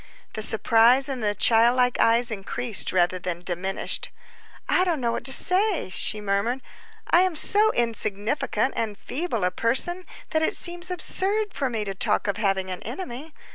The surprise in the child like eyes increased rather than diminished. "I don't know what to say," she murmured. "I am so insignificant and feeble a person that it seems absurd for me to talk of having an enemy.